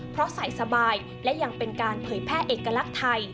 เพราะใส่สบายและยังเป็นการเผยแพร่เอกลักษณ์ไทย